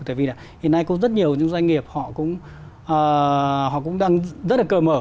tại vì hiện nay có rất nhiều những doanh nghiệp họ cũng đang rất là cơm mặt